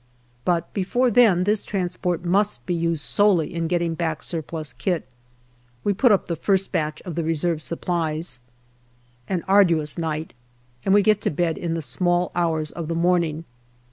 But before then this transport must be used solely in getting back surplus kit. We put up the first batch of the reserve supplies. An arduous night, and we get to bed in the small hours of the morning.